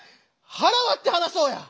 腹割って話そうや！